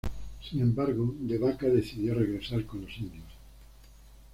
Sin embargo de Vaca decidió regresar con los indios.